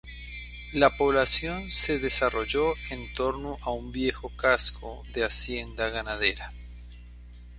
La población se desarrolló en torno a un viejo casco de hacienda ganadera.